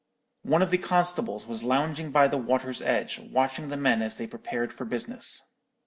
One of the constables was lounging by the water's edge, watching the men as they prepared for business.